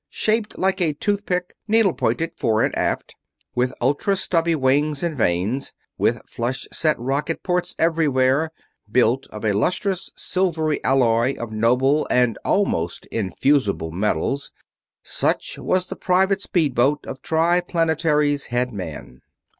Shaped like a toothpick, needle pointed fore and aft, with ultra stubby wings and vanes, with flush set rocket ports everywhere, built of a lustrous, silvery alloy of noble and almost infusible metals such was the private speedboat of Triplanetary's head man.